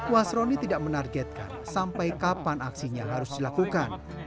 wasroni tidak menargetkan sampai kapan aksinya harus dilakukan